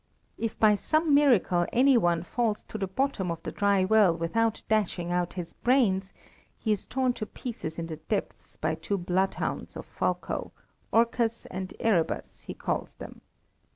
If by some miracle any one falls to the bottom of the dry well without dashing out his brains, he is torn to pieces in the depths by two bloodhounds of Fulko, Orcus and Erebus he calls them.